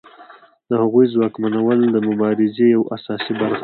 د هغوی ځواکمنول د مبارزې یوه اساسي برخه ده.